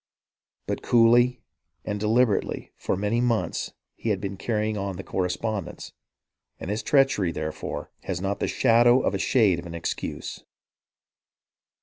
But coolly and deliberately for many months he had been carrying on the correspondence, and his treachery, therefore, has not the shadow of a shade of an excuse.